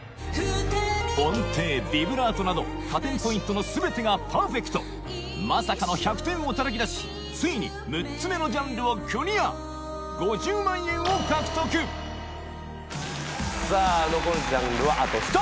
音程ビブラートなど加点ポイントの全てがパーフェクトまさかの１００点をたたき出しついに６つ目のジャンルをクリア５０万円を獲得さぁ残るジャンルはあと１つ！